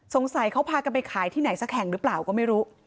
สงสัยเขาพากันไปขายที่ไหนสักแห่งหรือเปล่าก็ไม่รู้